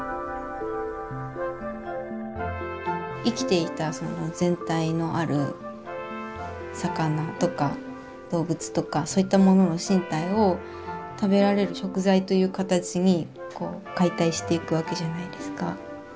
生きていたその全体のある魚とか動物とかそういったものの身体を食べられる食材という形にこう解体していくわけじゃないですか。